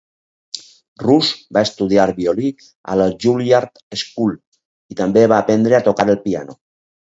Rush va estudiar violí a la Juilliard School i també va aprendre a tocar el piano.